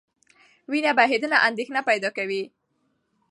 وینه بهېدنه اندېښنه پیدا کوي.